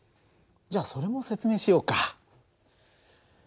じゃあそれも説明しようか。